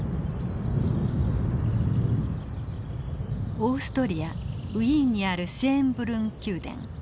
オーストリア・ウィーンにあるシェーンブルン宮殿。